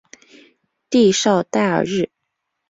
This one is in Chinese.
蒂绍代尔日。